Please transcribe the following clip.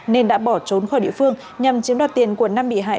nên đã bỏ trốn khỏi địa phương nhằm chiếm đoạt tiền của năm bị hại